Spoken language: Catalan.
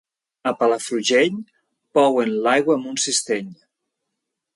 A Palafrugell, pouen l'aigua amb un cistell.